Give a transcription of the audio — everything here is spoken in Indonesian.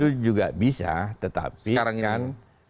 itu juga bisa tetapi dengan